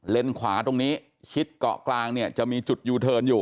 ขวาตรงนี้ชิดเกาะกลางเนี่ยจะมีจุดยูเทิร์นอยู่